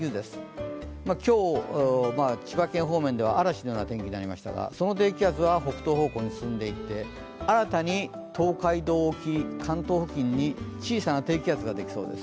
今日、千葉県方面では嵐のような天気になりましたがその低気圧は北東方向に進んでいって新たに東海道沖、関東付近に小さな低気圧ができそうです。